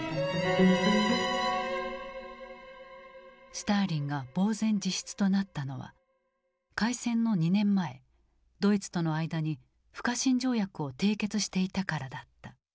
スターリンが茫然自失となったのは開戦の２年前ドイツとの間に不可侵条約を締結していたからだった。